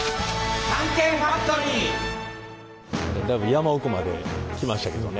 だいぶ山奥まで来ましたけどね。